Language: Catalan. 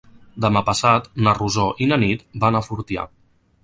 Demà passat na Rosó i na Nit van a Fortià.